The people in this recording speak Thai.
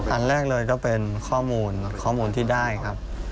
อันแรกเลยก็เป็นข้อมูลข้อมูลที่ได้ครับ